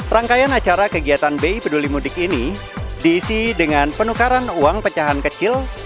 rangkaian acara kegiatan bi peduli mudik ini diisi dengan penukaran uang pecahan kecil